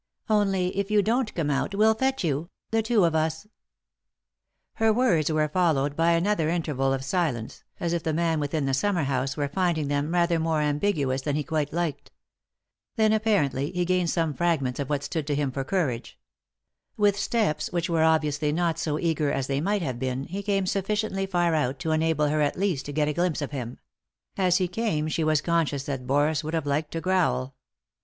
Only, if you don't come out we'll fetch you — the two of us." Her words were followed by another interval 01 silence, as if the man within the summer house were finding them rather more ambiguous than he quite liked. Then, apparently, he gained some fragments 3i 9 iii^d by Google THE INTERRUPTED KISS of what stood to him for courage. With steps which were obviously not so eager as they might have been he came sufficiently far out to enable her at least to get a glimpse of him ; as he came she was conscious that Boris would have liked to growl.